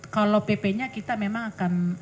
kalau pp nya kita memang akan